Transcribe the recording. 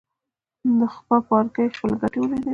د نخبه پاړکي خپلې ګټې ولیدلې.